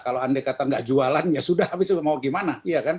kalau andai kata nggak jualan ya sudah habis mau gimana